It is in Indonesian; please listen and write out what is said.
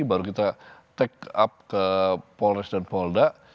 baru kita take up ke polres dan polda